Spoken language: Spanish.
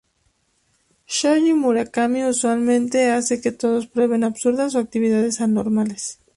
Shoji Murakami usualmente hace que todos prueben absurdas o actividades anormales.